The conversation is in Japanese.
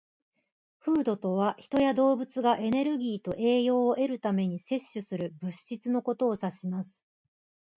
"Food" とは、人や動物がエネルギーと栄養を得るために摂取する物質のことを指します。